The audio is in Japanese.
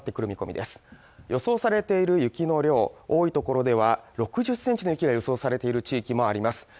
予想されている雪の量多い所では６０センチの雪が予想されている地域もあります